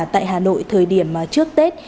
tại hà nội thời điểm trước tết